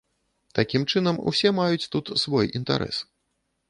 Такім чынам, усе маюць тут свой інтарэс.